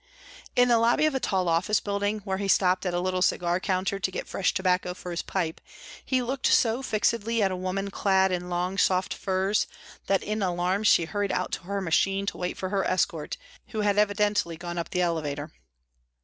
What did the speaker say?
In the lobby of a tall office building, where he stopped at a little cigar counter to get fresh tobacco for his pipe, he looked so fixedly at a woman clad in long soft furs, that in alarm she hurried out to her machine to wait for her escort, who had evidently gone up the elevator.